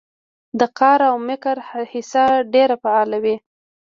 د قار او مکر حصه ډېره فعاله وي